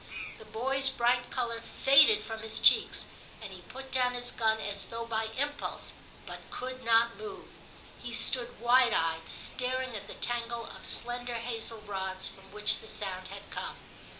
The boy's bright colour faded from his cheeks, and he put down his gun as though by impulse, but could not move ; he stood wide eyed, staring at the tangle of slender hazel rods from which the sound had come.